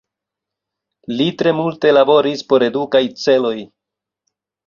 Li tre multe laboris por edukaj celoj.